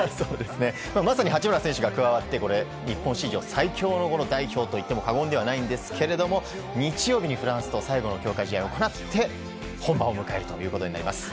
まさに八村選手が加わって日本史上最強の代表といっても過言ではないんですが日曜日にフランスと最後の強化試合を行って本番を迎えるということです。